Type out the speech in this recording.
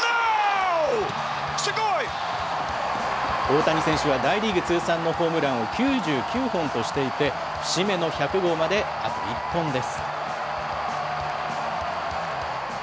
大谷選手は大リーグ通算のホームランを９９本としていて、節目の１００号まで、あと１本です。